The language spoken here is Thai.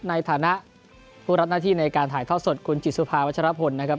ในฐานะผู้รับหน้าที่ในการถ่ายทอดสดคุณจิตสุภาวัชรพลนะครับ